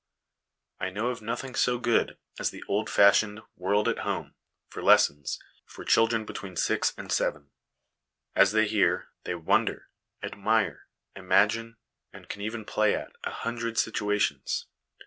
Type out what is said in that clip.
I know of nothing so good as the old fashioned World at Home (ion lessons) for children between six and seven. As they hear, they wonder, admire, imagine, and can even 'play at' a hundred situations.